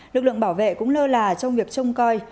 lực lượng bảo vệ cũng lơ là trong việc trông coi